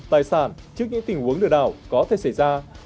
tài sản trước những tình huống lừa đảo có thể xảy ra